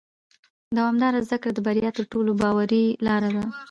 دوامداره زده کړه د بریا تر ټولو باوري لاره ده